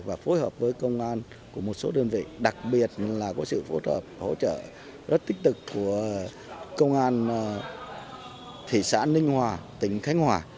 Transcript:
và phối hợp với công an của một số đơn vị đặc biệt là có sự phối hợp hỗ trợ rất tích cực của công an thị xã ninh hòa tỉnh khánh hòa